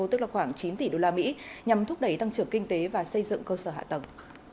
tức là khoảng chín tỷ đô la mỹ nhằm thúc đẩy tăng trưởng kinh tế và xây dựng cơ sở hạ tầng